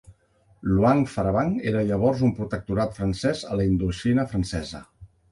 Luang Phrabang era llavors un protectorat francès a la Indoxina francesa.